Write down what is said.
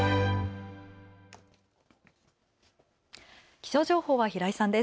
気象情報は平井さんです。